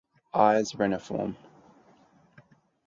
Eyes reniform.